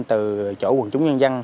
từ chỗ quần chúng nhân dân